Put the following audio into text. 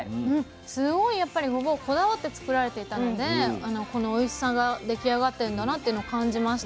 すごいやっぱりごぼうこだわって作られていたのでこのおいしさが出来上がってんだなっていうのを感じました。